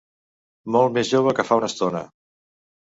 Molt més jove que fa una estona.